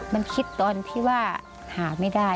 มันคิดตอนที่ว่าหาไม่ได้